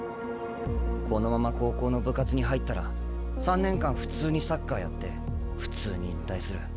このまま高校の部活に入ったら３年間普通にサッカーやって普通に引退する。